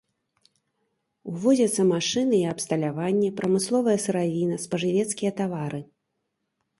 Увозяцца машыны і абсталяванне, прамысловая сыравіна, спажывецкія тавары.